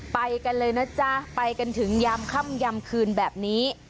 ไปกันเลยนะจ๊ะไปกันถึงยามค่ำยำคืนแบบนี้